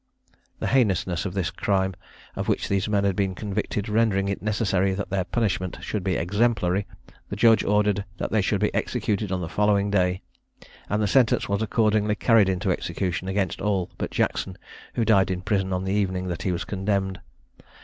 The heinousness of the crime of which these men had been convicted rendering it necessary that their punishment should be exemplary, the judge ordered that they should be executed on the following day; and the sentence was accordingly carried into execution against all but Jackson, who died in prison on the evening that he was condemned.